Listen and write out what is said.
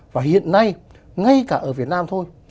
và hiện nay ngay cả ở việt nam thôi